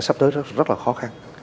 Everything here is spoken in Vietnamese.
sắp tới rất là khó khăn